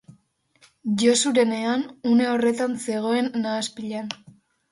Josurenean une horretan zegoen nahaspilan.